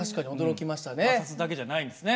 摩擦だけじゃないんですね。